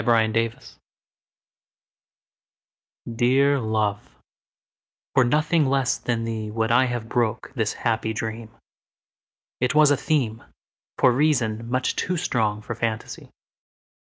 The Dream DEAR love, for nothing less than theeWould I have broke this happy dream; It was a themeFor reason, much too strong for fantasy.